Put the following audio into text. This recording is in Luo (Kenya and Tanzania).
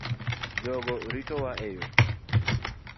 Jogo ritowa e yoo